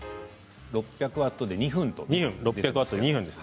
６００ワットで２分です。